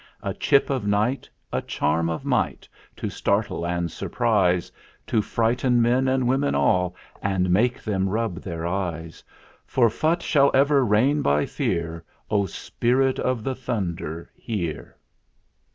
A chip of night, A charm of might To startle and surprise, To frighten men and women all And make them rub their eyes. For Phutt shall ever reign by fear Oh, Spirit of the Thunder, hear !